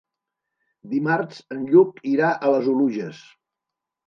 Dimarts en Lluc irà a les Oluges.